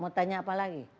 mau tanya apa lagi